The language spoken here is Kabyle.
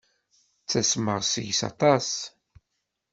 Ttasmeɣ seg-k aṭas.